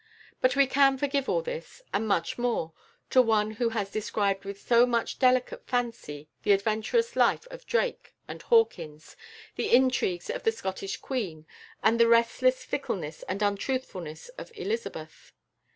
But we can forgive all this, and much more, to one who has described with so much delicate fancy the adventurous life of Drake and Hawkins, the intrigues of the Scottish Queen, and the restless fickleness and untruthfulness of Elizabeth.